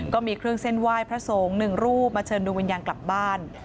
ก็มีเครื่องเส้นไหว้พระสงฆ์หนึ่งรูปมาเชิญดวงวิญญาณกลับบ้าน